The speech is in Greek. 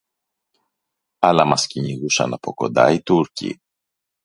Αλλά μας κυνηγούσαν από κοντά οι Τούρκοι